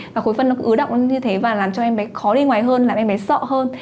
và khối phân nó cứ ứ động như thế và làm cho em bé khó đi ngoài hơn làm em bé sợ hơn